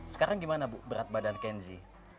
sekarang gimana bu berat badan kenzi